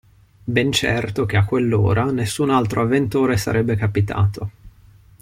Ben certo che a quell'ora nessun altro avventore sarebbe capitato.